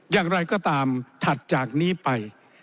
อย่างไรก็ตามถัดจากนี้ไป